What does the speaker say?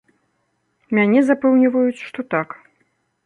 Мяне запэўніваюць, што так.